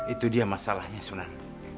itu dia masalahnya sunan